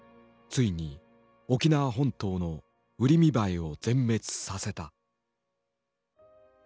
ついに沖縄本島のウリミバエを全滅させた。